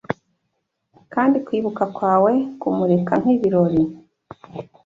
Kandi kwibuka kwawe kumurika nkibirori